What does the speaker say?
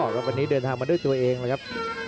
วันนี้เดินทางมาด้วยตัวเองแล้วครับ